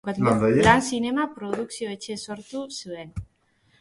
Lan Zinema produkzio-etxea sortu zuen.